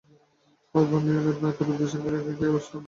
হয় burn unit, নয় Kutubdia channel এই কী তার অনিবার্য গন্তব্য?